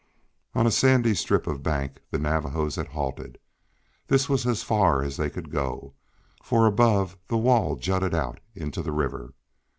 On a sandy strip of bank the Navajos had halted. This was as far as they could go, for above the wall jutted out into the river.